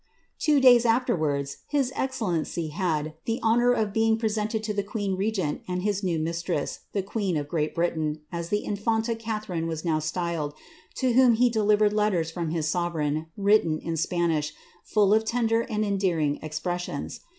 Two days aAer , his excellency had the honour of being presented to the queen and his new mistress, the queen of Great Britain, as the infanta ine was now styled, to whom he delivered letters from his sove written in Spanish, full of tender and endearing expressions.